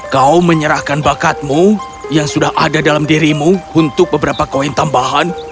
kau menyerahkan bakatmu yang sudah ada dalam dirimu untuk beberapa koin tambahan